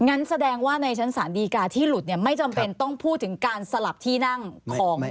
งั้นแสดงว่าในชั้นศาลดีกาที่หลุดเนี่ยไม่จำเป็นต้องพูดถึงการสลับที่นั่งของ